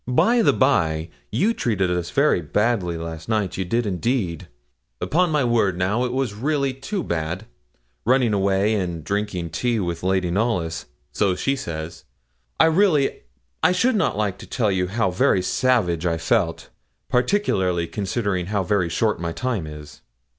By the by, you treated us very badly last night you did, indeed; upon my word, now, it really was too bad running away, and drinking tea with Lady Knollys so she says. I really I should not like to tell you how very savage I felt, particularly considering how very short my time is.'